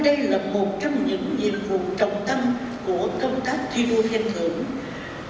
đến cán bộ công chức viên chức sĩ quan chiến sĩ lực lượng vũ trang người lao động các thành phần kinh tế và các tầng lớp nhân dân tham gia